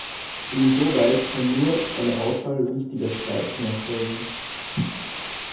Insoweit kann nur eine Auswahl wichtiger Streifen erfolgen.